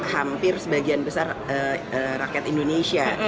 hampir sebagian besar rakyat indonesia